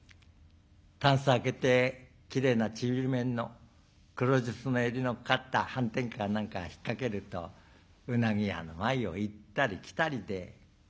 たんす開けてきれいなちりめんの黒繻子の襟のかかったはんてんか何か引っ掛けるとうなぎ屋の前を行ったり来たりで。